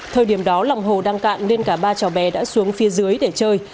thời điểm đó lòng hồ đang cạn nên cả ba cháu bé đã xuống phía dưới để chơi